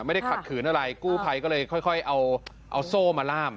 ไม่ได้ขัดขืนอะไรกู้ภัยก็เลยค่อยเอาโซ่มาล่าม